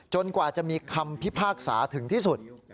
กว่าจะมีคำพิพากษาถึงที่สุด